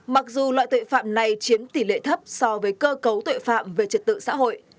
mặc dù loại tội phạm này chiến tỷ lệ thấp so với cơ cấu tội phạm về trật tự xã hội